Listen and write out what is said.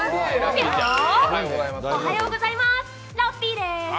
ぴょーん、おはようございます、ラッピーです。